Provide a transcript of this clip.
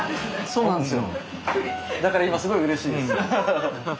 そうなんですよ。